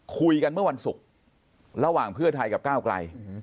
คุยกันเมื่อวันศุกร์ระหว่างเพื่อไทยกับก้าวไกล